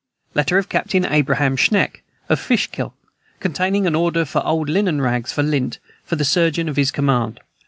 Letter of Captain Abraham Schenck, of Fishkill, containing an order for old linen rags, for lint, for the surgeon of his command.